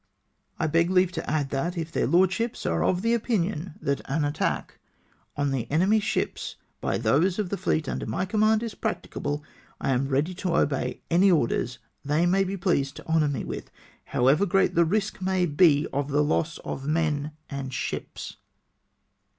I beg leave to add that, if their Lordships are of opinion that an attack on the enemy's ships by those of the fleet under my command is practicable, I am ready to obey any orders they may be pleased to honour me with, however great the risk may be of the loss of men and ships.